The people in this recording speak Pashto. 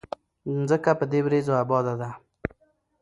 ځمکه په دې وريځو اباده ده